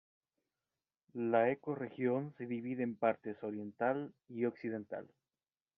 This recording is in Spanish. La ecorregión se divide en partes oriental y occidental.